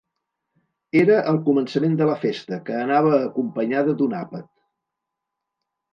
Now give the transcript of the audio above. Era el començament de la festa, que anava acompanyada d’un àpat.